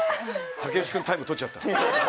武内君タイム、取っちゃった。